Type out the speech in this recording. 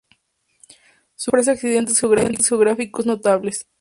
Su relieve ofrece accidentes geográficos notables.